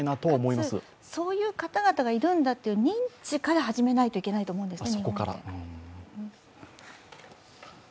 かつ、そういう方々がいるんだっていう認知から始めないといけないと思うんですね。